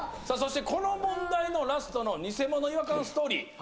そしてこの問題のラストのニセモノ違和感ストーリー